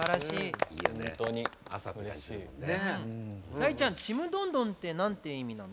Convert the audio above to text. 大ちゃん「ちむどんどん」って何て意味なの？